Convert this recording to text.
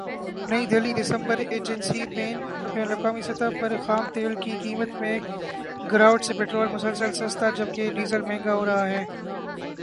نئی دہلی دسمبرایجنسی بین الاقوامی سطح پر خام تیل کی قیمت میں گراوٹ سے پٹرول مسلسل سستا جبکہ ڈیزل مہنگا ہو رہا ہے